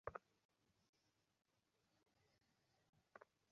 রাতে হারেছ শ্যালকের বাড়ি থেকে স্ত্রীকে আনতে গেলে তাঁকে মারধর করা হয়।